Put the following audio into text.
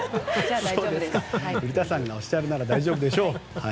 古田さんがおっしゃるなら大丈夫でしょう。